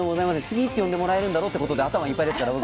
次いつ呼んでもらえるんだろうってことで頭いっぱいですから僕。